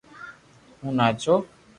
ھون ناچو